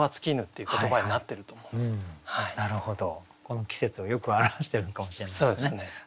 なるほどこの季節をよく表してるのかもしれないですね。